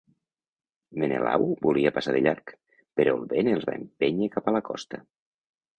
Menelau volia passar de llarg, però el vent els va empènyer cap a la costa.